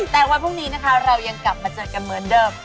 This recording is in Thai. แต่วันพรุ่งนี้นะคะเรายังกลับมาเจอกันเหมือนเดิม